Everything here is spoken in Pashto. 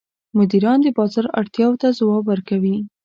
مدیران د بازار اړتیاوو ته ځواب ورکوي.